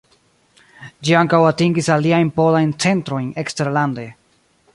Ĝi ankaŭ atingis aliajn polajn centrojn eksterlande.